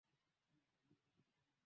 Oladalu ni Mwezi wa joto na jua kali